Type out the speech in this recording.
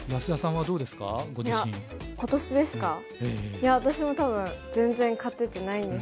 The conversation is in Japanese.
いや私も多分全然勝ててないんですけど。